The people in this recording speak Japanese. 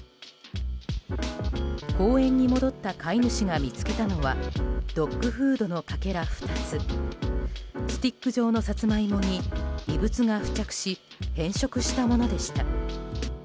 公園に戻った飼い主が見つけたのはドッグフードのかけら２つスティック状のサツマイモに異物が付着し変色したものでした。